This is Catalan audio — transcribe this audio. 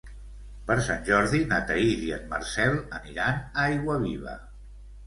Per Sant Jordi na Thaís i en Marcel aniran a Aiguaviva.